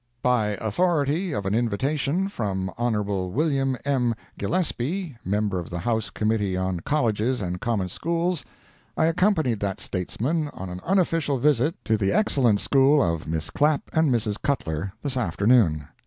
By authority of an invitation from Hon. Wm. M. Gillespie, member of the House Committee on Colleges and Common Schools, I accompanied that statesman on an unofficial visit to the excellent school of Miss Clapp and Mrs. Cutler, this afternoon.